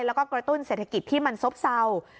แล้วก็กระตุ้นเศรษฐกิจที่มันซบเศร้า